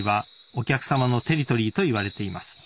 お客様のテリトリーといわれています。